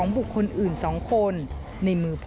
สุดท้าย